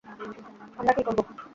আমরা কি করবো?